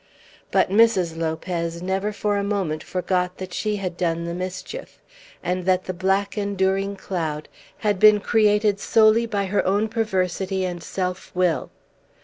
But Mrs. Lopez never for a moment forgot that she had done the mischief, and that the black enduring cloud had been created solely by her own perversity and self will.